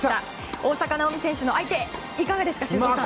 大坂なおみ選手の相手いかがですか修造さん。